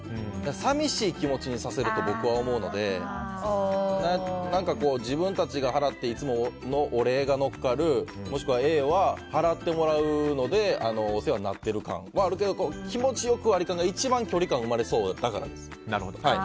寂しい気持ちにさせると僕は思うので自分たちが払っていつものお礼が乗っかるもしくはＡは払ってもらうのでお世話になっている感はあるけど気持ち良く割り勘が一番距離感が生まれそうですね。